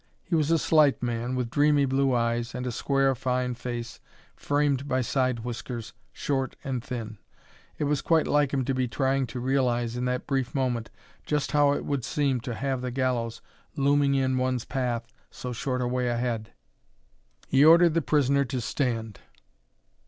He was a slight man, with dreamy blue eyes, and a square, fine face, framed by side whiskers, short and thin. It was quite like him to be trying to realize, in that brief moment, just how it would seem to have the gallows looming in one's path so short a way ahead. He ordered the prisoner to stand.